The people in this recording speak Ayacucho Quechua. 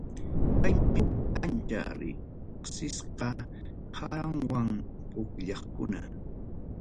Kaymi huk ancha riqsisqa aranway pukllaqkuna.